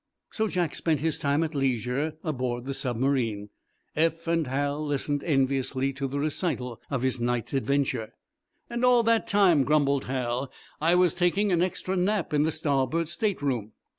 So Jack spent his time at leisure aboard the submarine. Eph and Hal listened enviously to the recital of his night's adventure. "And all that time," grumbled Hal, "I was taking an extra nap in the starboard stateroom."